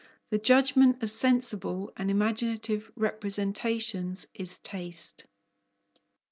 The judgment of sensible and imaginative representations is taste.